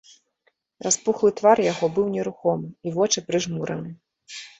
Распухлы твар яго быў нерухомы, і вочы прыжмураны.